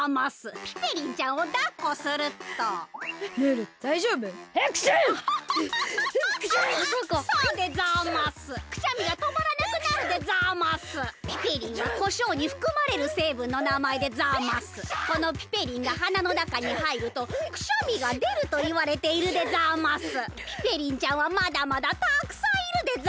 ピペリンちゃんはまだまだたくさんいるでざます。